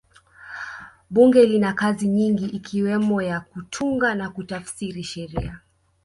bunge lina kazi nyingi ikiwemo ya kutunga na kutafsiri sheria